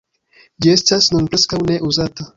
Ĝi estas nun preskaŭ ne uzata.